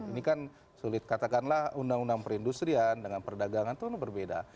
ini kan sulit katakanlah undang undang perindustrian dengan perdagangan itu berbeda